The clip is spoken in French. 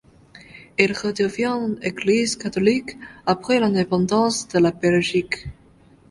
Elle redevient église catholique après l’indépendance de la Belgique.